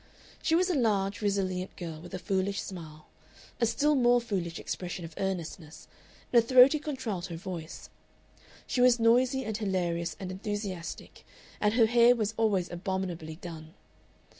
She was a large, resilient girl, with a foolish smile, a still more foolish expression of earnestness, and a throaty contralto voice. She was noisy and hilarious and enthusiastic, and her hair was always abominably done.